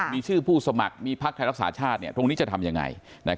มีชื่อผู้สมัครมีพักไทยรักษาชาติตรงนี้จะทำยังไง